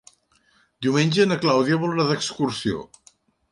Diumenge na Clàudia vol anar d'excursió.